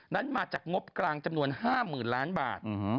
นั้นมาจากงบกลางจำนวน๕๐๐๐ล้านบาท